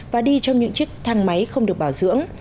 và đi trong những chiếc thang máy không được bảo dưỡng